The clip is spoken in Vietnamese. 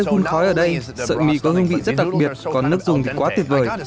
sợi mì có hương vị rất đặc biệt còn nước dùng thì quá tuyệt vời